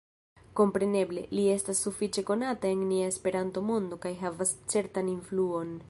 Kompreneble, li estas sufiĉe konata en nia Esperanto-mondo kaj havas certan influon.